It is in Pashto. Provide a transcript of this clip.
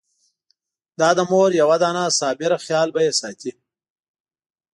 دا د مور یوه دانه صابره خېال به يې ساتي!